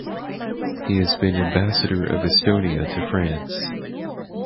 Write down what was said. He has been Ambassador of Estonia to France.